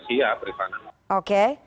jadi tidak ada persiapan khusus ya